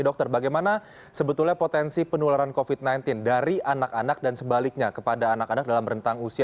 dokter bagaimana sebetulnya potensi penularan covid sembilan belas dari anak anak dan sebaliknya kepada anak anak dalam rentang usia